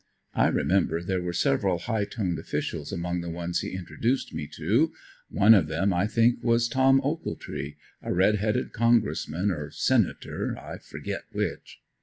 I remember there were several high toned officials among the ones he introduced me to; one of them I think was Tom Ochiltree a red headed Congressman or Senator, I forget which.